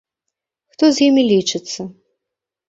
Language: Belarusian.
Хто з імі лічыцца!